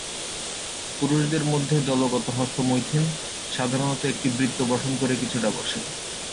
পুরুষদের মধ্যে দলগত হস্তমৈথুন, সাধারণত একটি বৃত্ত গঠন করে কিছুটা বসে।